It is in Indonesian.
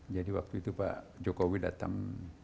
jadi waktu itu pak jokowi datang